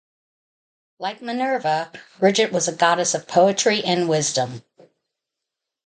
Like Minerva, Bridget was a goddess of poetry and wisdom.